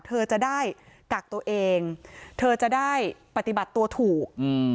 เธอจะได้กักตัวเองเธอจะได้ปฏิบัติตัวถูกอืม